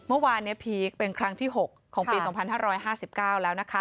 เมื่อวานพีกเป็นครั้งที่๖ของปี๒๕๕๙แล้ว